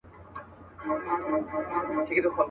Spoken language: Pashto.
زه قاتل سوم زه د غلو سپه سالار سوم.